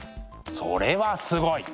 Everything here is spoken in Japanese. それはすごい！